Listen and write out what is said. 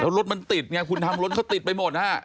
แล้วรถมันติดไงคุณทำรถเขาติดไปหมดฮะ